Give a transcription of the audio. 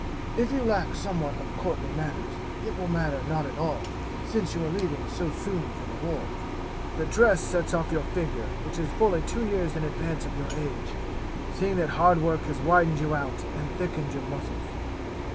If you lack somewhat of courtly manners it will matter not at all, since you are leaving so soon for the wars. "The dress sets off your figure, which is fully two years in advance of your age, seeing that hard work has widened you out and thickened your muscles.